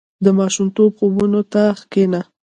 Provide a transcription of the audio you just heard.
• د ماشومتوب خوبونو ته کښېنه.